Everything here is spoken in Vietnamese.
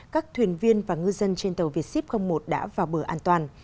các thuyền viên và ngư dân trên tàu việt ship một đã vào bờ an toàn